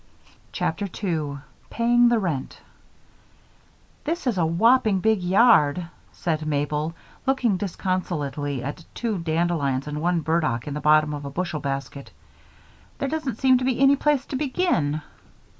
CHAPTER 2 Paying the Rent "This is a whopping big yard," said Mabel, looking disconsolately at two dandelions and one burdock in the bottom of a bushel basket. "There doesn't seem to be any place to begin."